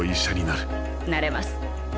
なれます。